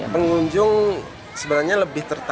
pengunjung sebenarnya lebih tertarik